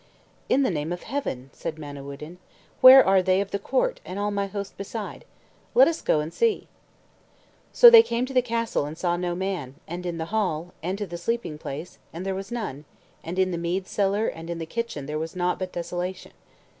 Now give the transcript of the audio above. "In the name of Heaven," said Manawyddan, "where are they of the court, and all my host beside? Let us go and see." So they came to the castle, and saw no man, and into the hall, and to the sleeping place, and there was none; and in the mead cellar and in the kitchen there was naught but desolation.